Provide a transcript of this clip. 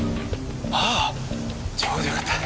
ああちょうどよかった。